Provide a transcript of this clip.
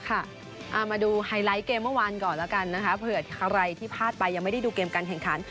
เอามาดูไฮไลท์เกมเมื่อวานก่อนแล้วกันนะคะเผื่อใครที่พลาดไปยังไม่ได้ดูเกมการแข่งขัน